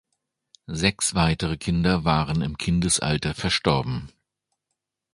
Sechs weitere Kinder waren im Kindesalter verstorben.